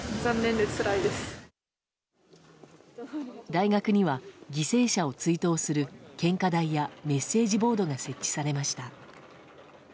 大学には犠牲者を追悼する献花台やメッセージボードが設置されました。